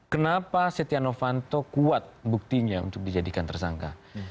kenapa setiano panto kuat buktinya untuk dijadikan tersangka